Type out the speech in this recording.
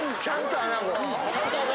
ちゃんと。